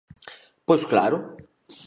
¡Pois claro!